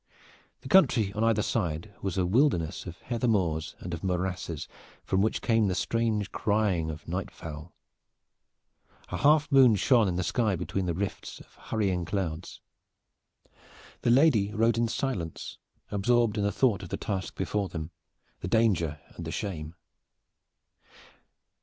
The country on either side was a wilderness of heather moors and of morasses from which came the strange crying of night fowl. A half moon shone in the sky between the rifts of hurrying clouds. The lady rode in silence, absorbed in the thought of the task before them, the danger and the shame.